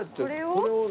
これを？